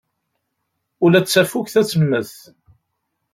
Ula d tafukt ad temmet.